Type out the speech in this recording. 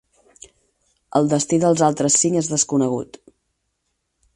El destí dels altres cinc és desconegut.